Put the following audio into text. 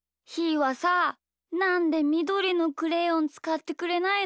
はさなんでみどりのクレヨンつかってくれないの？